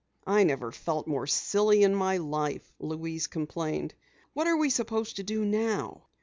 "I never felt more silly in my life," Louise complained. "What are we supposed to do now?"